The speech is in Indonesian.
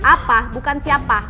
apa bukan siapa